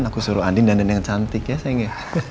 aku suruh andin dandang yang cantik ya sayang ya